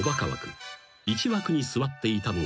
１枠に座っていたのは］